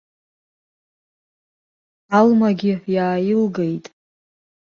Алмагьы иааилгеит!